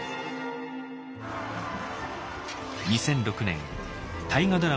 ２００６年大河ドラマ